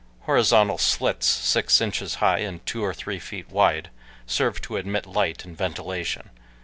Horizontal slits, six inches high and two or three feet wide, served to admit light and ventilation.